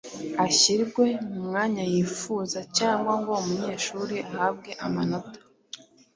ashyirwe mu mwanya yifuza cyangwa ngo umunyeshuri ahabwe amanota